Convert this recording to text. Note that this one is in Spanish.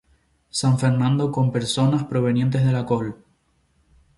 San Fernando con personas provenientes de la col.